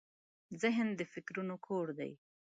ذهن د فکرونو کور دی.